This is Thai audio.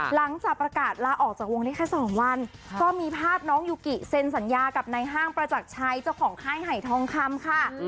หลังจากประกาศลาออกจากวงได้แค่๒วันก็มีภาพน้องยูกิเซ็นสัญญากับในห้างประจักรชัยเจ้าของค่ายไห่ทองคำค่ะ